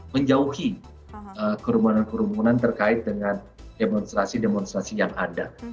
menjauhi kerumunan kerumunan terkait dengan demonstrasi demonstrasi yang ada